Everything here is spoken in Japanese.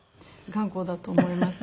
頑固だと思います。